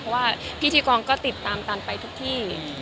เพราะว่าพิธีกรก็ติดตามตันไปทุกที่